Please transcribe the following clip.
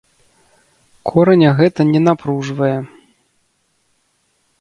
Кораня гэта не напружвае.